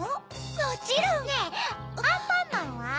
もちろん！ねぇアンパンマンは？